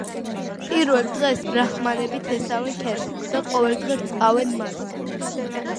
პირველ დღეს ბრაჰმანები თესავენ ქერს და ყოველ დღე რწყავენ მას.